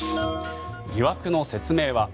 疑惑の説明は？